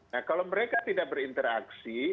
nah kalau mereka tidak berinteraksi